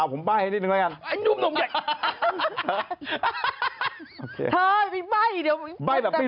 ผมไว้ให้นิดหนึ่งกดกัน